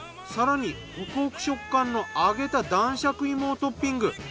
更にホクホク食感の揚げた男爵芋をトッピング！